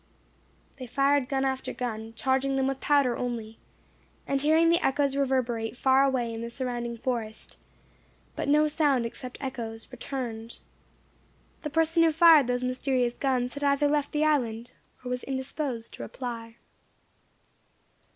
They fired gun after gun, charging them with powder only, and hearing the echoes reverberate far away in the surrounding forest; but no sound except echoes returned. The person who fired those mysterious guns had either left the island, or was indisposed to reply.